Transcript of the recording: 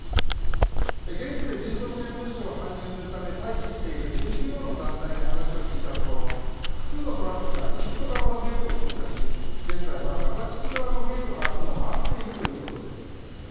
現地で人道支援物資を搬入するため、待機しているＮＧＯの団体に話を聞いたところ複数のトラックがエジプト側のゲートを通過し現在は、ガザ地区側のゲートが開くのを待っているということです。